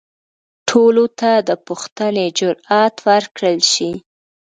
ټولو ته د پوښتنې جرئت ورکړل شي.